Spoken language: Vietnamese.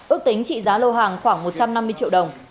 ước tính trị giá lô hàng khoảng một trăm năm mươi triệu đồng